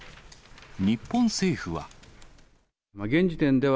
日本政府は。